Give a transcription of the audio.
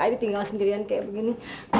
ayah tinggal sendirian kayak begini